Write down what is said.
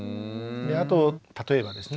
あと例えばですね